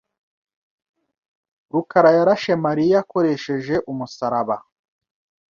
rukarayarashe Mariya akoresheje umusaraba.